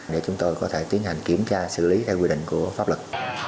để chúng tôi có thể tiến hành kiểm tra xử lý theo quy định của pháp luật